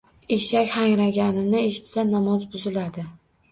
Eshak hangraganini eshitsa namoz buziladi